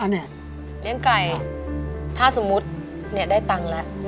เอาเนี้ยเลี้ยงไก่ถ้าสมมุติเนี้ยได้ตังค์แล้ว